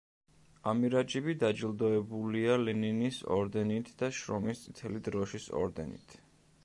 ამირაჯიბი დაჯილდოებულია ლენინის ორდენით და შრომის წითელი დროშის ორდენით.